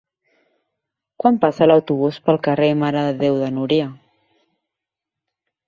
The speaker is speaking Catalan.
Quan passa l'autobús pel carrer Mare de Déu de Núria?